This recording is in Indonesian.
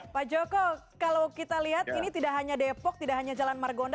pak joko kalau kita lihat ini tidak hanya depok tidak hanya jalan margonda